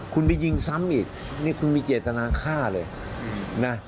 คุณไปยิงซ้ำอีกนี่คุณมีเจตนาฆ่าเลยนะ